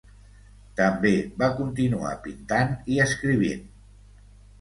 També va continuar pintant i escrivint.